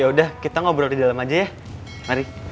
ya udah kita ngobrol di dalam aja ya mari hai hai hai